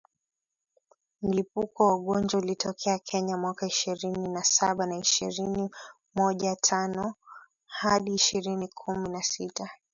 Mlipuko wa ugonjwa ulitokea Kenya mwaka ishirini na saba na ishirini mojatanohadi ishirini kumi na sita